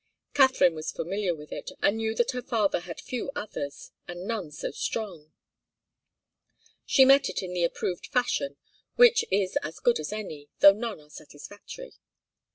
Katharine was familiar with it, and knew that her father had few others, and none so strong. She met it in the approved fashion, which is as good as any, though none are satisfactory.